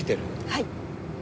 はい。